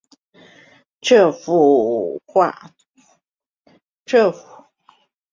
这幅画作对于各种形态的几乎正确描绘性使其负有盛名。